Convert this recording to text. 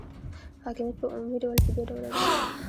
حاکمیت په عمومي ډول په دوه ډوله دی.